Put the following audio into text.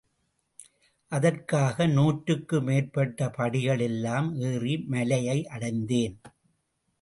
அதற்காக நூற்றுக்கு மேற்பட்ட படிகள் எல்லாம் ஏறி மலையை அடைந்தேன்.